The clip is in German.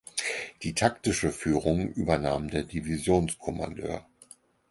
Die taktische Führung übernahm der Divisionskommandeur.